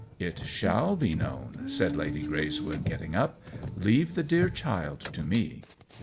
"It shall be known," said Lady Greys wood, getting up. " Leave the dear child to me."